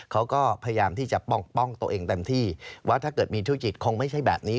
เขาก็พยายามที่จะป้องตัวเองเต็มที่ว่าถ้าเกิดมีธุรกิจคงไม่ใช่แบบนี้